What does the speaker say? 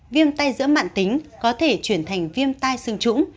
viêm tay giữa mạng tính có thể chuyển thành viêm tai xương trũng